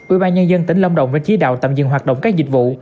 ủy ban nhân dân tỉnh lâm đồng đã chỉ đạo tạm dừng hoạt động các dịch vụ